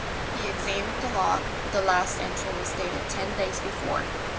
He examined the log, but the last entry was dated ten days before.